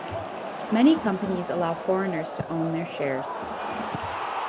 Many companies allow foreigners to own their shares.